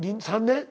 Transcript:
３年？